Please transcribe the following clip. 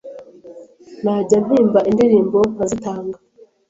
najya mpimba indirimbo nkazitanga